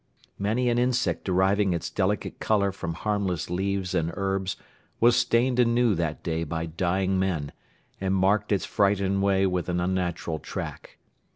Many an insect deriving its delicate colour from harmless leaves and herbs, was stained anew that day by dying men, and marked its frightened way with an unnatural track.